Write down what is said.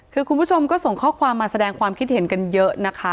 คือคุณผู้ชมก็ส่งข้อความมาแสดงความคิดเห็นกันเยอะนะคะ